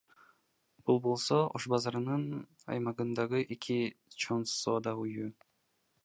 Бул болсо Ош базарынын аймагындагы эки чоң соода үйү.